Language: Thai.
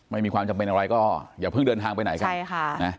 ไม่มีความจำเป็นอะไรก็อย่าเพิ่งเดินทางไปไหน